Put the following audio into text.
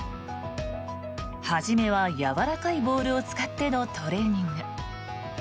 初めはやわらかいボールを使ってのトレーニング。